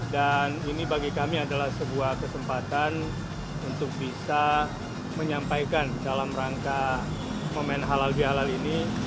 dan ini bagi kami adalah sebuah kesempatan untuk bisa menyampaikan dalam rangka momen halal bihalal ini